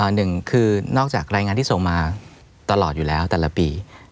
หนึ่งคือนอกจากรายงานที่ส่งมาตลอดอยู่แล้วแต่ละปี